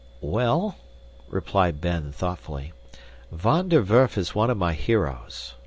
"Well," replied Ben thoughtfully, "Van der Werf is one of my heroes.